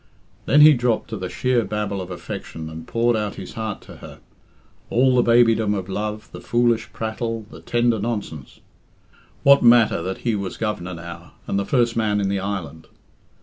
Then he dropped to the sheer babble of affection and poured out his heart to her all the babydom of love, the foolish prattle, the tender nonsense. What matter that he was Governor now, and the first man in the island?